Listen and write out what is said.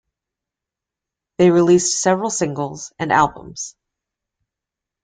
They released several singles and albums.